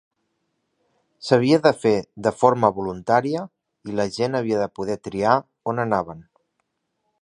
S'havia de fer de forma voluntària, i la gent havia de poder triar on anaven.